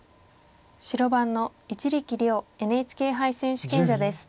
白番の一力遼ＮＨＫ杯選手権者です。